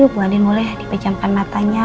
bu andin boleh dipejamkan matanya